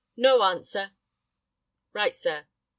"No answer." "Right, sir."